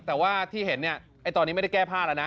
แต่ว่าที่เห็นเนี่ยตอนนี้ไม่ได้แก้ผ้าแล้วนะ